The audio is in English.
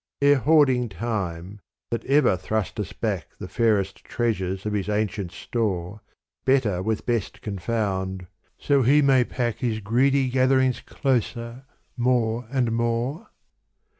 Ere hoarding Time, that ever thrusteth back The fairest treasures of his ancient store, Better with best confound, so he may pack His greedy gatherings closer, more and more